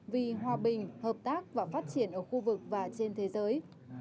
vì hòa bình hợp tác và phát triển ở khu vực và trên thế giới